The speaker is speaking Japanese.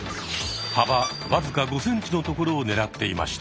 幅僅か５ｃｍのところを狙っていました。